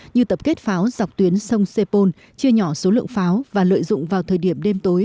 như tập kết pháo dọc tuyến sông sepol chia nhỏ số lượng pháo và lợi dụng vào thời điểm đêm tối